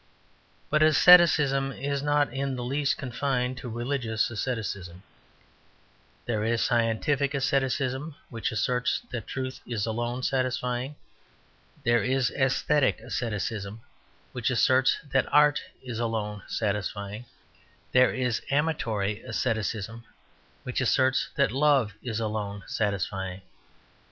But asceticism is not in the least confined to religious asceticism: there is scientific asceticism which asserts that truth is alone satisfying: there is æsthetic asceticism which asserts that art is alone satisfying: there is amatory asceticism which asserts that love is alone satisfying.